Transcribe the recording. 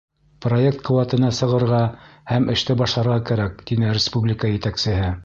— Проект ҡеүәтенә сығырға һәм эште башларға кәрәк, — тине республика етәксеһе.